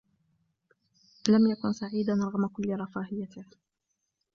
لم يكن سعيداً رغم كل رفاهيته